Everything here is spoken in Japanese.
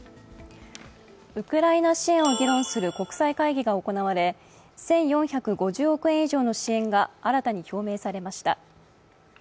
ウクライナ支援を議論する国際会議が行われ１４５０億円以上の支援が新たに表明されました。